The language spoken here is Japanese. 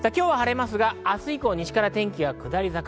今日は晴れますが明日以降、西から天気は下り坂。